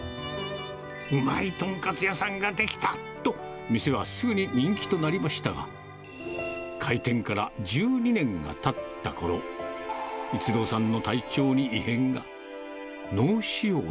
うまい豚カツ屋さんが出来た、と店はすぐに人気となりましたが、開店から１２年がたったころ、逸郎さんの体調に異変が。